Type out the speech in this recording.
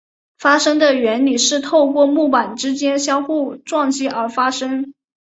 发声的原理是透过木板之间互相撞击而发声。